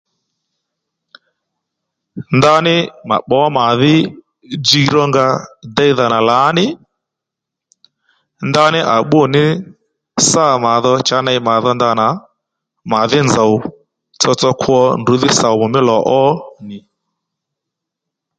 Ndaní mà pbǒ màdhí djiy ró nga deydha nà lǎní ndaní à bbú nì sâ màdho cha ney màdho ndanà màdhí nzòw tsotso kwo ndrǔdhí somu mí lò ó nì